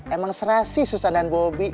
emang serasi susann dan bobby